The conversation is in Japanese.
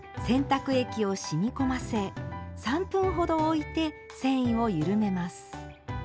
洗濯液をしみ込ませ３分ほどおいて繊維を緩めます。